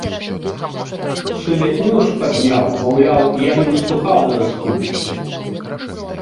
Сумятню ж падняў, маўляў, я не выступаў на рэспубліцы.